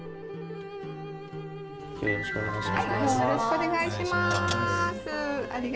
よろしくお願いします。